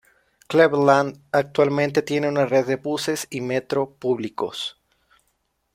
Cleveland actualmente tiene una red de buses y metro públicos.